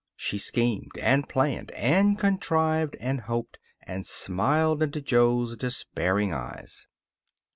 She schemed, and planned, and contrived, and hoped; and smiled into Jo's despairing eyes.